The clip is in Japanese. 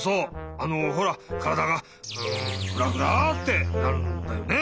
あのほらからだがフラフラってなるんだよね！